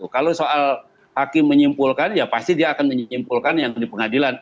kalau soal hakim menyimpulkan ya pasti dia akan menyimpulkan yang di pengadilan